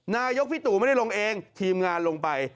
นายกพี่ตูไม่ได้ลงเองทีมงานลงไป